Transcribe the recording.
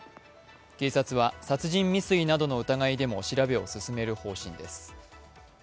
警察は殺人未遂などの疑いでも調べを進める方針です。